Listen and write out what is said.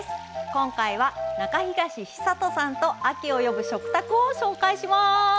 今回は中東久人さんと「『秋を呼ぶ』食卓」を紹介します。